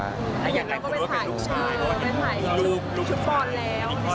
หากอยากต้องก็ไปถ่าย